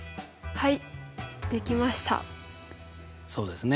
はい。